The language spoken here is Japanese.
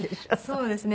そうですね。